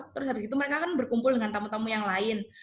terus habis itu mereka kan berkumpul dengan tamu tamu yang lain